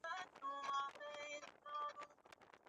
Rudisheni bintu bile muri lomba ku mashamba